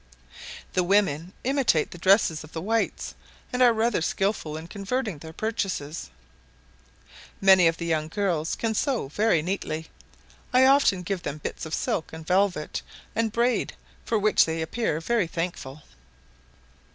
The women imitate the dresses of the whites, and are rather skilful in converting their purchases. Many of the young girls can sew very neatly. I often give them bits of silk and velvet, and braid, for which they appear very thankful.